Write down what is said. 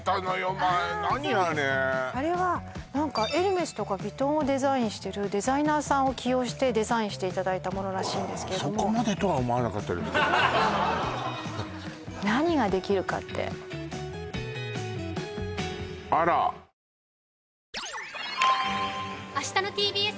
前何あれあれは何かエルメスとかヴィトンをデザインしてるデザイナーさんを起用してデザインしていただいたものらしいんですけれどもそこまでとは思わなかったですけど何ができるかってあらっうわ！！